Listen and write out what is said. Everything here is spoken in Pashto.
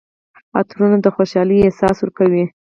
عطرونه د خوشحالۍ احساس ورکوي.